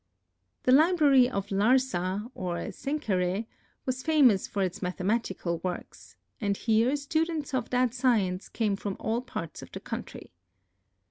The library of Larsa, or Senkereh, was famous for its mathematical works, and here students of that science came from all parts of the country.